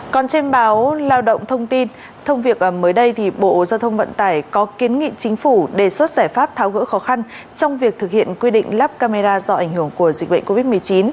còn trên báo lao động thông tin thông việc mới đây thì bộ giao thông vận tải có kiến nghị chính phủ đề xuất giải pháp tháo gỡ khó khăn trong việc thực hiện quy định lắp camera do ảnh hưởng của dịch bệnh covid một mươi chín